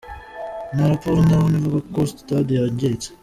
Nta raporo ndabona ivuga ko sitade yangiritse.